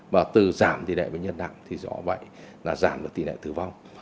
mà từ giảm tỷ đệ bệnh nhân nặng thì rõ vậy là giảm được tỷ đệ tử vong